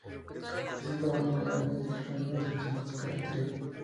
Es hijo de una familia humilde sin una tradición musical anterior.